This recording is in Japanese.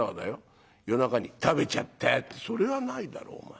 夜中に『食べちゃった』ってそれはないだろお前。